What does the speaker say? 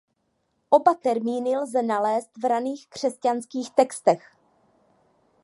Oba termíny lze nalézt v raných křesťanských textech.